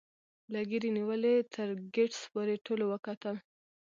له ګيري نیولې تر ګیټس پورې ټولو وګټل